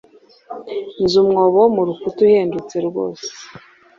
Nzi umwobo mu rukuta uhendutse rwose.